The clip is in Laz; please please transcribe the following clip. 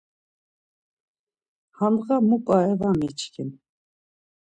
Handğa mu p̆are va miçkin.